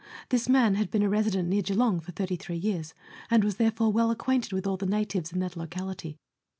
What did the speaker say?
This man had been a resident near Geelong for 33 years, and was therefore well acquainted with all the natives in that locality.